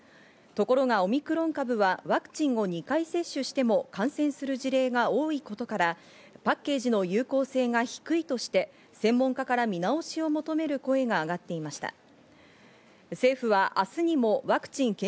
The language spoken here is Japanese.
ところがオミクロン株はワクチンを２回接種しても感染する事例が多いことから、パッケージの有効性が低いとして、専門家から見直しを求める声が上がっていました。